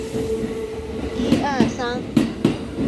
共分九区。